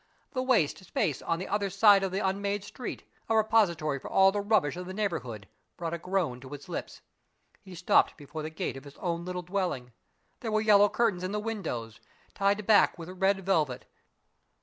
The waste space on the other side of the unmade street, a repository for all the rubbish of the neighborhood, brought a groan to his lips. He stopped before the gate of his own little dwelling. There were yellow curtains in the window, tied back with red velvet.